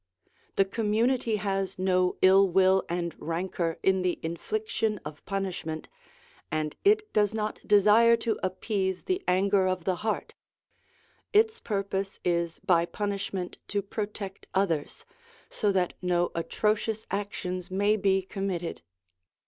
The community has no ill will and rancour in the infliction of punishment, and it does not desire to appease the anger of the heart ; its purpose is by punishment to protect others, so that no atrocious actions may be committed.